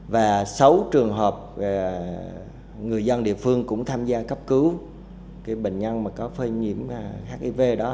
và sáu trường hợp người dân địa phương cũng tham gia cấp cứu cái bệnh nhân mà có phơi nhiễm hiv đó